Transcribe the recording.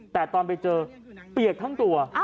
แต่ตอนไปเจอเปียกทั้งตัว